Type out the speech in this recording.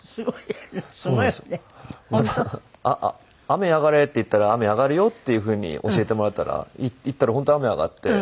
「雨上がれって言ったら雨上がるよ」っていうふうに教えてもらったら言ったら本当雨上がって。